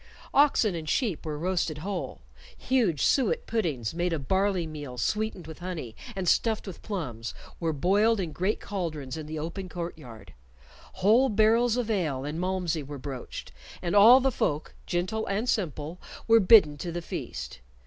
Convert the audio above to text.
Oxen and sheep were roasted whole; huge suet puddings, made of barley meal sweetened with honey and stuffed with plums, were boiled in great caldrons in the open courtyard; whole barrels of ale and malmsey were broached, and all the folk, gentle and simple, were bidden to the feast.